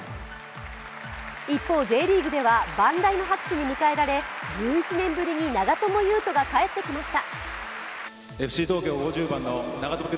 一方、Ｊリーグでは万雷の拍手に迎えられ、１１年ぶりに長友佑都が帰ってきました。